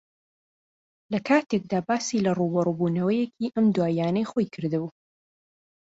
لەکاتێکدا باسی لە ڕووبەڕووبوونەوەیەکی ئەم دواییانەی خۆی کردبوو